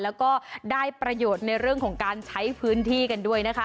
แล้วก็ได้ประโยชน์ในเรื่องของการใช้พื้นที่กันด้วยนะคะ